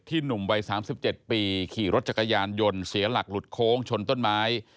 หนุ่มวัย๓๗ปีขี่รถจักรยานยนต์เสียหลักหลุดโค้งชนต้นไม้